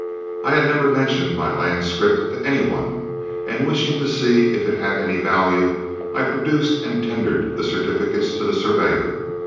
I had never mentioned my land scrip to any one, and wishing to see if it had any value, I produced and tendered the certificates to the surveyor.